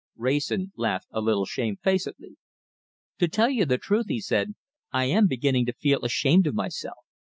Wrayson laughed a little shamefacedly. "To tell you the truth," he said, "I am beginning to feel ashamed of myself.